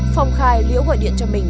phong khai liễu gọi điện cho mình